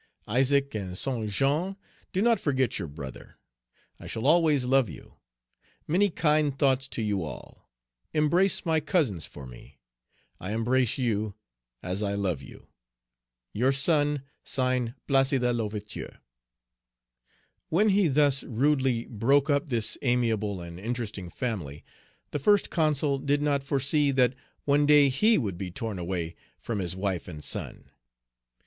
Isaac and Saint Jean, do not forget your brother! I shall always love you. Many kind thoughts to you all; embrace my cousins for me. I embrace you as I love you. "Your son, (Signed) "PLACIDE L'OUVERTURE." When he thus rudely broke up this amiable and interesting family, the First Consul did not foresee that one day he would be torn away from his wife and son.